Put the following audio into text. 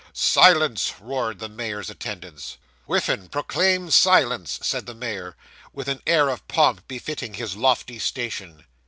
'Silence!' roared the mayor's attendants. 'Whiffin, proclaim silence,' said the mayor, with an air of pomp befitting his lofty station.